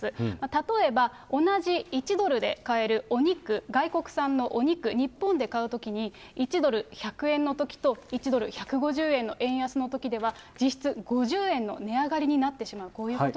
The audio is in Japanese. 例えば同じ１ドルで買えるお肉、外国産のお肉、日本で買うときに１ドル１００円のときと、１ドル１５０円の円安のときでは、実質５０円の値上がりになってしまう。